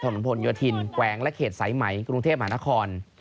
ถนนพลโยธินแขวงและเขตสายไหมกรุงเทพมหานคร